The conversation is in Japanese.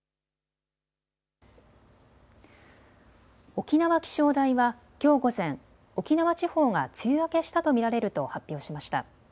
沖縄気象台はきょう午前、沖縄地方が梅雨明けしたと見られると発表しました。